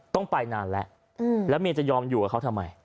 ต้องไปนานแล้วแล้วเมียจะยอมอยู่กับเขาทำไม